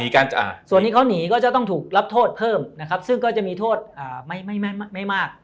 และวันนี้เขาหนีก็จะต้องถูกรับโทษเพิ่มซึ่งก็จะมีโทษไม่มาก